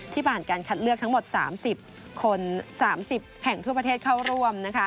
ผ่านการคัดเลือกทั้งหมด๓๐คน๓๐แห่งทั่วประเทศเข้าร่วม